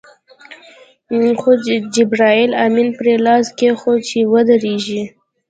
خو جبرائیل امین پرې لاس کېښود چې ودرېږي.